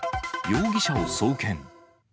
容疑者を送検。